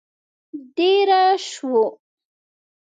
دېره شوو.